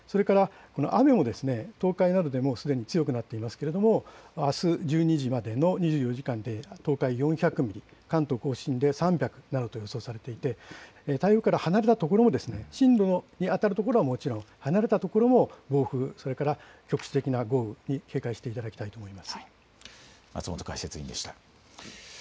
それから雨も東海などでもすでに強くなっていますが、あす１２時までの２４時間で東海で４００ミリ、関東甲信で３００などと予想されていて台風から離れた所でも進路にあたる所はもちろん離れた所も暴風、それから局地的な豪雨に警戒していただきたいと思います。